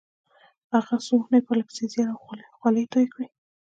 هغه څو اونۍ پرله پسې زيار او خولې تويې کړې.